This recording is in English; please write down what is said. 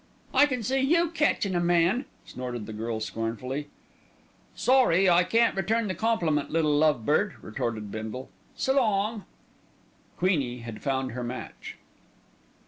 "I can see you catchin' a man," snorted the girl scornfully. "Sorry I can't return the compliment, little love bird," retorted Bindle. "S'long!" "Queenie" had found her match.